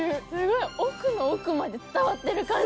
奥の奥まで伝わってる感じ。